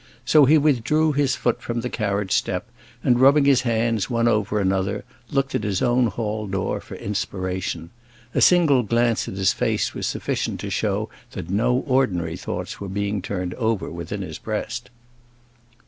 So he withdrew his foot from the carriage step, and rubbing his hands one over another, looked at his own hall door for inspiration. A single glance at his face was sufficient to show that no ordinary thoughts were being turned over within his breast.